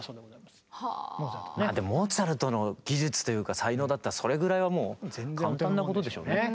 でもモーツァルトの技術というか才能だったらそれぐらいはもう簡単なことでしょうね。